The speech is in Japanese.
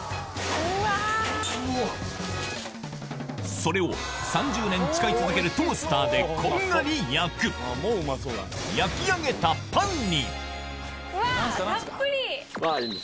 それを３０年使い続けるトースターでこんがり焼く焼き上げたパンにうわったっぷり！